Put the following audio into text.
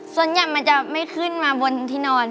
ส่วนใหญ่มันจะไม่ขึ้นมาบนที่นอน